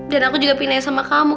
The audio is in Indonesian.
dan aku juga pingin aja sama kamu